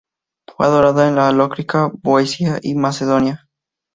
Fue adorada en Lócrida, Beocia y Macedonia.